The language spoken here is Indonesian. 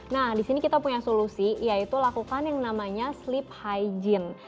nah di sini kita punya solusi yaitu lakukan yang namanya sleep hygiene